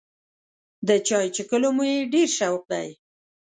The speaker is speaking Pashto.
د چای څښلو مې ډېر شوق دی.